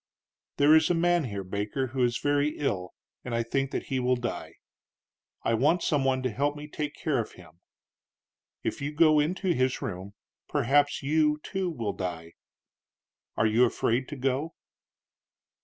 "There is a man here, Baker, who is very ill, and I think that he will die. I want some one to help me take care of him. If you go into his room, perhaps you, too, will die. Are you afraid to go?"